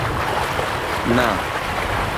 نا.